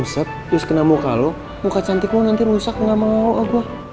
buset just kena muka lo muka cantik lo nanti rusak gak mau